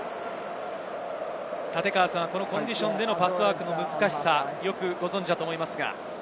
コンディションでのパスワークの難しさ、よくご存じだと思います。